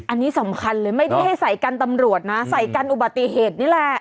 อันนี้สำคัญเลยไม่ได้ให้ใส่กันตำรวจนะใส่กันอุบัติเหตุนี่แหละ